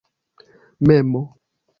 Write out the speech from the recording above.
memo